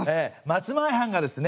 松前藩がですね